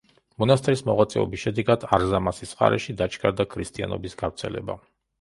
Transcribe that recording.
მონასტრის მოღვაწეობის შედეგად არზამასის მხარეში დაჩქარდა ქრისტიანობის გავრცელება.